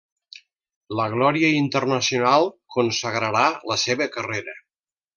La glòria internacional consagrarà la seva carrera.